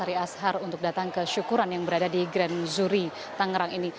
itu saja yang penting